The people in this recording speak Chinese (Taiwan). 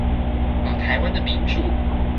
把臺灣的民主